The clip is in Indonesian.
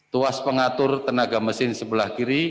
tuas pengatur tenaga mesin sebelah kiri